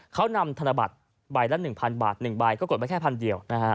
เขานำธนบัตรใบละ๑๐๐๐บาท๑ใบก็กดมาแค่๑๐๐๐เดียว